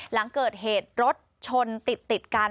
หลังเกิดเหตุรถชนติดกัน